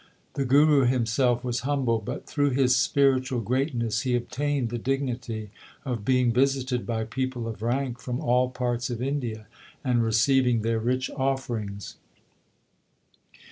The Guru himself was humble, but through his spiritual greatness he obtained the dignity of being visited by people of rank from all parts of India and receiving their rich offerings.